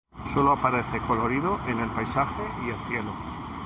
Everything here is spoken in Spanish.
Solo aparece colorido en el paisaje y el cielo.